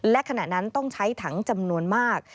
และขณะนั้นต้องใช้ถังจำนวนมาก